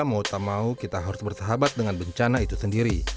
mau tak mau kita harus bersahabat dengan bencana itu sendiri